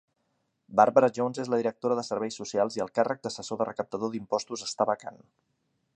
Barbara Jones és la directora de Serveis Socials i el càrrec d'assessor de recaptador d'impostos està vacant.